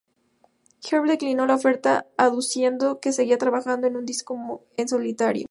Jeff declinó la oferta aduciendo que seguía trabajando en su disco en solitario.